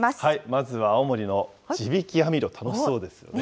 まずは青森の地引き網漁、楽しそうですね。